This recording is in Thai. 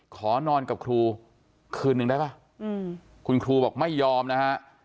ขอนอนกับครูคืนนึงได้ป่ะคุณครูบอกไม่ยอมนะฮะ